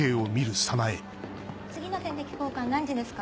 次の点滴交換何時ですか？